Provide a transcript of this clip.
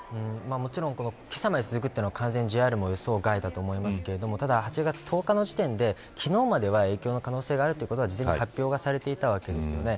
もちろん、けさまで続くというのはＪＲも予想外だと思いますが８月１０日の時点で、昨日までは影響の可能性があるということは事前に発表されていたわけですよね。